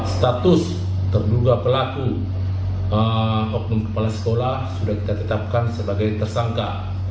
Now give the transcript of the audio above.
status terduga pelaku oknum kepala sekolah sudah kita tetapkan sebagai tersangka